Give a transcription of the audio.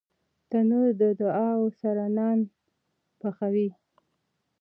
تنور د دعاوو سره نان پخوي